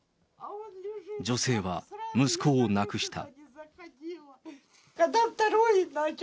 女性は息子を亡くした。